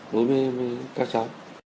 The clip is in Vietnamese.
đối với các cháu